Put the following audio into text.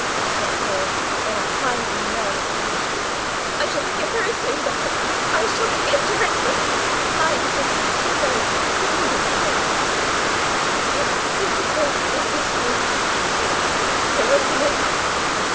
said Paul, in a highly nervous condition. "I shall begin very soon, Doctor, I shall begin directly. Mine is such a very singular case; it's difficult, as you see, to, to open it!"